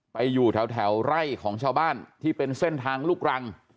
ไปอยู่แถวไร่ของชาวบ้านที่เป็นเส้นทางลูกรัง